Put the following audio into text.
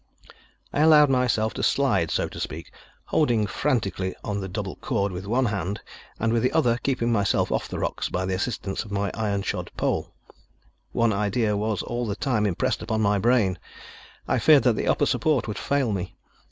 I allowed myself to slide, so to speak, holding frantically on the double cord with one hand and with the other keeping myself off the rocks by the assistance of my iron shod pole. One idea was all the time impressed upon my brain. I feared that the upper support would fail me.